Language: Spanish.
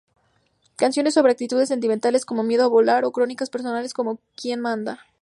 Canciones sobre actitudes sentimentales, como Miedo a volar, o crónicas personales como Quien manda.